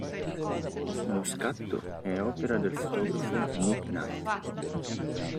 Lo scatto è opera del fotografo Nick Knight.